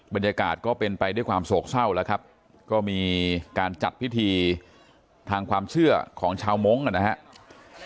บรรยากาศก็เป็นไปด้วยความโศกเศร้าแล้วครับก็มีการจัดพิธีทางความเชื่อของชาวมงค์นะครับ